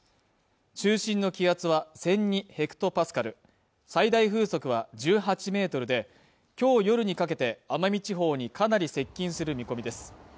中心の気圧は１００２ｈＰａ最大風速は１８メートルで今日夜にかけて奄美地方にかなり接近する見込みです